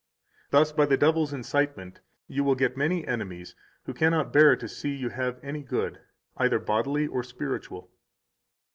Thus by the devil's incitement you will get many enemies who cannot bear to see you have any good, either bodily or spiritual.